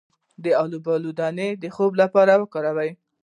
د الوبالو دانه د خوب لپاره وکاروئ